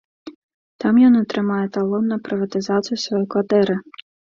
Там ён атрымае талон на прыватызацыю сваёй кватэры.